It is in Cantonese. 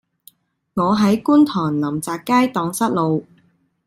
我喺觀塘臨澤街盪失路